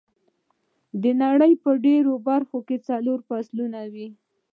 د نړۍ په ډېرو برخو کې څلور فصلونه وي.